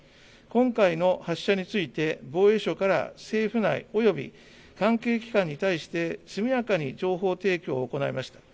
今回の発射について防衛省から政府内および関係機関に対して速やかに情報提供を行いました。